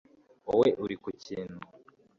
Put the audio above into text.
woba uri ku kintu